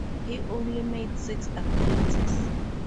He only made six appearances.